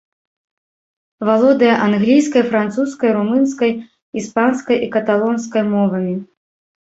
Валодае англійскай, французскай, румынскай, іспанскай і каталонскай мовамі.